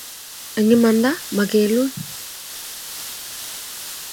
Eng imanda magelun